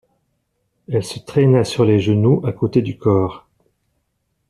Elle se traîna sur les genoux à côté du corps.